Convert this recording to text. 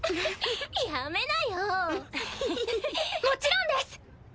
もちろんです！